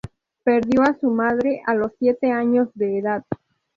Perdió a su madre a los siete años de edad.